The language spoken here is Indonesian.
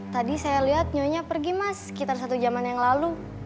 tadi saya lihat nyonya pergi mas sekitar satu jaman yang lalu